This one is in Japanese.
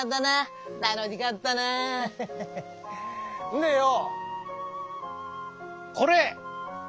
んでよこれ。